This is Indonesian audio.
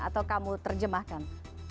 atau kamu terjemahkan